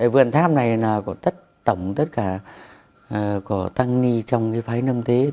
vườn tháp này tổng tất cả có tăng ni trong cái phái năm thế